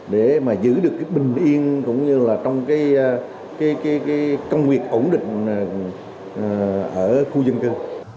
để mà giữ được cái bình yên cũng như là trong cái công việc ổn định ở khu dân cư